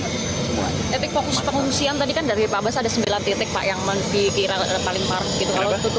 fokus pengungsian tadi kan dari pak bas ada sembilan titik yang dikira paling parah